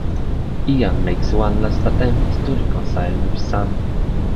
Ian makes one last attempt to reconcile with Sam.